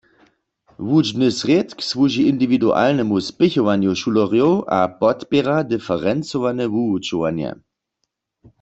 Wučbny srědk słuži indiwidualnemu spěchowanju šulerjow a podpěra diferencowane wuwučowanje.